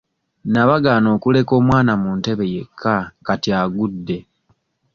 Nabagaana okuleka omwana mu ntebe yekka kati agudde.